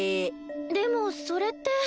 でもそれって。